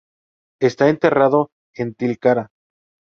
Está enterrado en Tilcara.